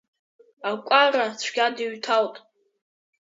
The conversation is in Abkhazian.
Акәара цәгьа дыҩҭалт.